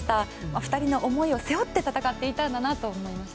２人の思いを背負って戦っていたんだなと思いました。